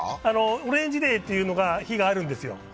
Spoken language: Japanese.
オレンジデーという日があるんですよ。